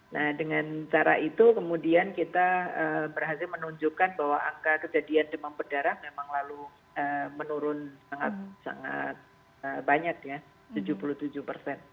nah dengan cara itu kemudian kita berhasil menunjukkan bahwa angka kejadian demam berdarah memang lalu menurun sangat banyak ya tujuh puluh tujuh persen